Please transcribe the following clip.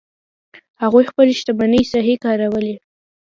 هغوی خپلې شتمنۍ صحیح کاروي